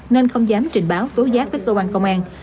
nên không dám trình báo tố giác với cơ quan công an